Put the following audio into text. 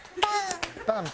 パン。